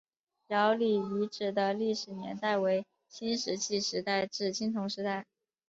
姚李遗址的历史年代为新石器时代至青铜时代。